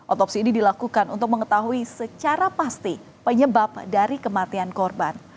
otopsi ini dilakukan untuk mengetahui secara pasti penyebab dari kematian korban